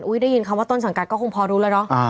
ได้ยินคำว่าต้นสังกัดก็คงพอรู้แล้วเนาะ